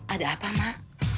ada apa mak